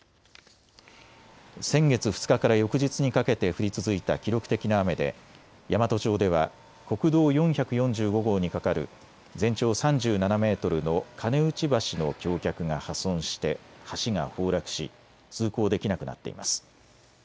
先月２日から翌日にかけて降り続いた記録的な雨で山都町では国道４４５号に架かる全長３７メートルの金内橋の橋脚が破損して橋が崩落し通行できなくなっています。